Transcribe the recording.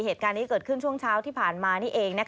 เหตุการณ์นี้เกิดขึ้นช่วงเช้าที่ผ่านมานี่เอง